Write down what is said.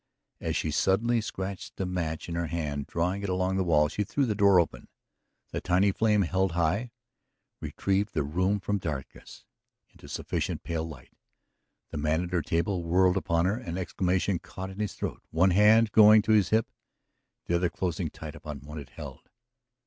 As she suddenly scratched the match in her hand, drawing it along the wall, she threw the door open. The tiny flame, held high, retrieved the room from darkness into sufficient pale light. The man at her table whirled upon her, an exclamation caught in his throat, one hand going to his hip, the other closing tight upon what it held.